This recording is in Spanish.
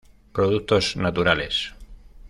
Productos Naturales.